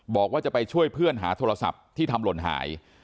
บอกว่าจะไปช่วยเพื่อนหาโทรศัพท์ที่ทำหล่นหาย